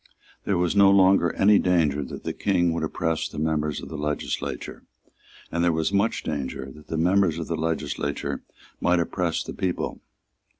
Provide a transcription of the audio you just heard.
There was no longer any danger that the King would oppress the members of the legislature; and there was much danger that the members of the legislature might oppress the people.